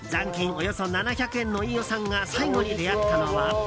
およそ７００円の飯尾さんが最後に出会ったのは。